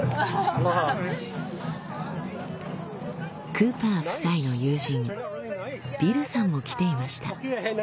クーパー夫妻の友人ビルさんも来ていました。